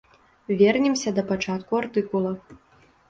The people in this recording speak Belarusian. Вернемся да пачатку артыкула.